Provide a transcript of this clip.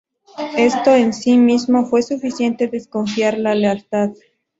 Esto en sí mismo fue suficiente desconfiar la lealtad.